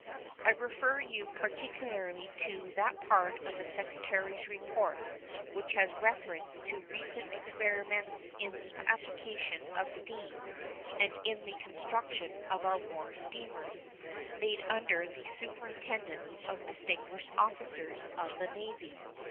I refer you particularly to that part of the Secretary's report which has reference to recent experiments in the application of steam and in the construction of our war steamers, made under the superintendence of distinguished officers of the Navy.